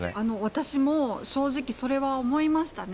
私も、正直それは思いましたね。